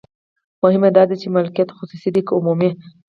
مهمه دا ده چې مالکیت خصوصي دی که عمومي.